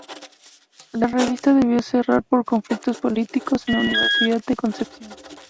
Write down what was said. La revista debió cerrar por conflictos políticos en la Universidad de Concepción.